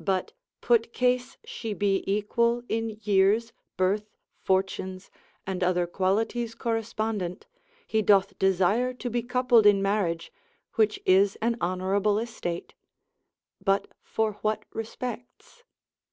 But put case she be equal in years, birth, fortunes, and other qualities correspondent, he doth desire to be coupled in marriage, which is an honourable estate, but for what respects?